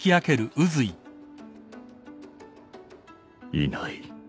いない